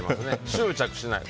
執着しない。